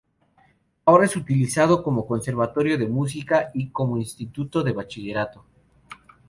Ahora es utilizado como Conservatorio de Música y como Instituto de Bachillerato.